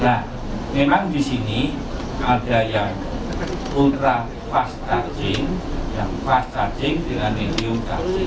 nah memang di sini ada yang ultra fast charging yang fast charging dengan medium charging